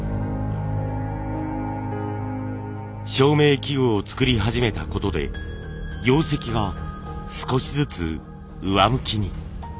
照明器具を作り始めたことで業績が少しずつ上向きに。